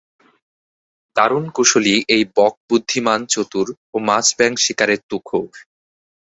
দারুণ কুশলী এই বক বুদ্ধিমান-চতুর ও মাছ-ব্যাঙ শিকারে তুখোড়।